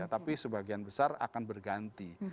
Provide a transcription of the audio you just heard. tapi sebagian besar akan berganti